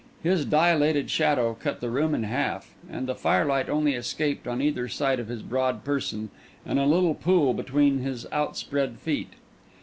His dilated shadow cut the room in half; and the firelight only escaped on either side of his broad person, and in a little pool between his outspread feet.